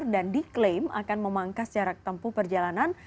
dan diklaim akan memangkas jarak tempuh perjalanan